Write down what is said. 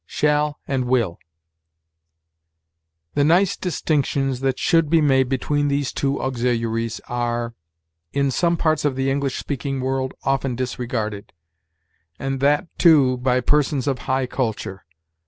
SHALL AND WILL. The nice distinctions that should be made between these two auxiliaries are, in some parts of the English speaking world, often disregarded, and that, too, by persons of high culture.